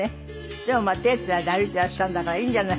でも手つないで歩いていらっしゃるんだからいいんじゃない？